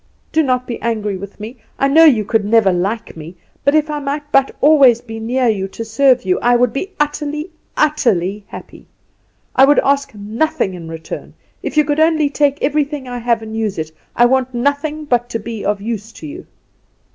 Do not be angry with me. I know you could never like me; but, if I might but always be near you to serve you, I would be utterly, utterly happy. I would ask nothing in return! If you could only take everything I have and use it; I want nothing but to be of use to you."